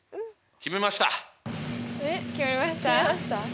決めました？